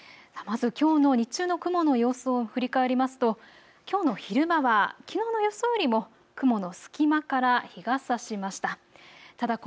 まずきょうの日中の雲の様子を振り返りますときょうの昼間はきのう予想よりも雲の隙間から日がさしました。